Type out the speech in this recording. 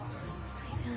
大丈夫？